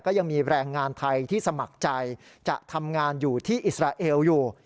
ก็ยังมีแรงงานไทยที่สมัครใจจะทำงานอยู่ที่อิสราเอลอยู่